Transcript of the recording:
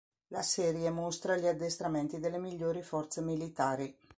La serie mostra gli addestramenti delle migliori forze militari.